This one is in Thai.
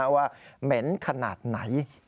เหม็นขนาดไหน